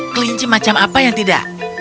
kelinci macam apa yang tidak